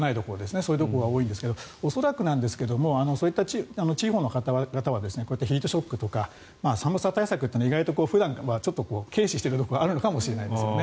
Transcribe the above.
そういうところが多いんですが恐らく、そういった地方の方々はこうやってヒートショックとか寒さ対策というのを意外と普段は軽視しているところがあるのかもしれないですね。